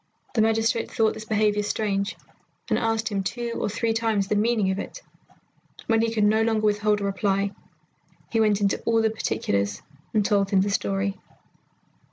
The magistrate thought this behaviour strange, and asked him two or three times the meaning of it. When he could no longer withhold a reply, he went into all the particulars and told him the story.